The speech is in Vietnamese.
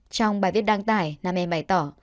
trong bài viết đăng tải nam em bày tỏ